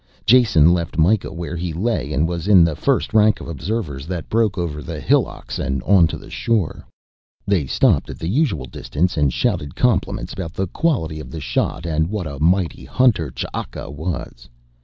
Jason left Mikah where he lay and was in the first rank of observers that broke over the hillocks and onto the shore. They stopped at the usual distance and shouted compliments about the quality of the shot and what a mighty hunter Ch'aka was.